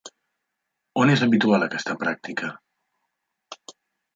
On és habitual aquesta pràctica?